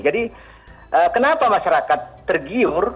jadi kenapa masyarakat tergiur